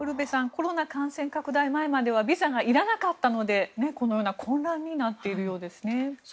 コロナ感染拡大前まではビザがいらなかったのでこのような混乱になっているようですね。